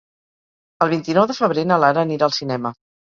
El vint-i-nou de febrer na Lara anirà al cinema.